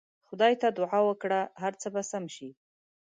خدای ته دعا وکړه هر څه به سم سي.